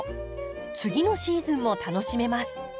次のシーズンも楽しめます。